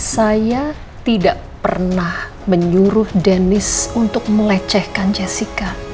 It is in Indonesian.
saya tidak pernah menyuruh denis untuk melecehkan jessica